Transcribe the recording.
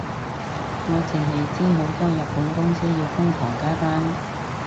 我淨係知好多日本公司要瘋狂加班